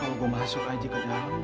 kalau gue masuk aja ke dalam